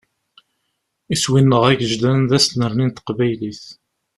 Iswi-nneɣ agejdan d asnerni n teqbaylit.